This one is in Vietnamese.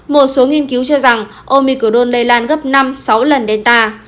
một số nghiên cứu cho rằng omicol lây lan gấp năm sáu lần delta